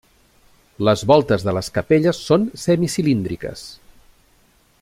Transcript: Les voltes de les capelles són semicilíndriques.